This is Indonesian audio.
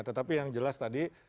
tetapi yang jelas tadi